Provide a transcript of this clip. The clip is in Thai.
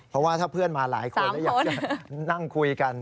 เพราะว่าถ้าเพื่อนมาหลายคนนั่งคุยกัน